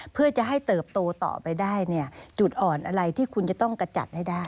เพื่อจะให้เติบโตต่อไปได้เนี่ยจุดอ่อนอะไรที่คุณจะต้องกระจัดให้ได้